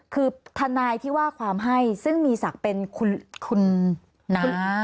คือทนายที่ว่าความให้ซึ่งมีศักดิ์เป็นคุณนะ